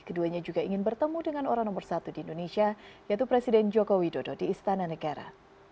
keduanya juga ingin bertemu dengan orang nomor satu di indonesia yaitu presiden joko widodo di istana negara